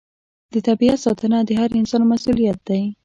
د طبیعت ساتنه د هر انسان مسوولیت دی.